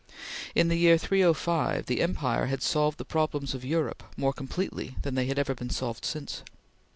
In the year 305 the empire had solved the problems of Europe more completely than they have ever been solved since.